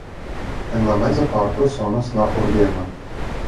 En la meza parto sonas la orgeno.